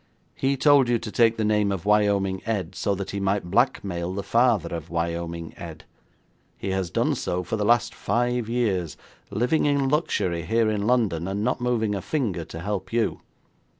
He told you to take the name of Wyoming Ed, so that he might blackmail the father of Wyoming Ed. He has done so for the last five years, living in luxury here in London, and not moving a finger to help you.